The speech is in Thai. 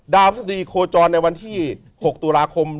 พฤษฎีโคจรในวันที่๖ตุลาคม